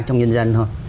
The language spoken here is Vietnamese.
trong nhân dân thôi